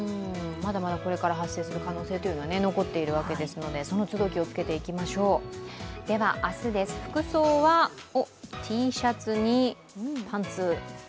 まだまだこれから発生する可能性は残っているわけですのでその都度、気をつけていきましょうでは、明日です、服装はＴシャツにパンツ。